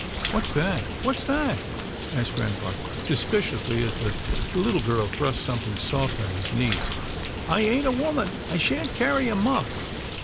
" What's that — what's that ?" asked grampa, suspiciously, as the little girl thrust something soft on his knees. " I ain't a woman. I shan't carry a muff."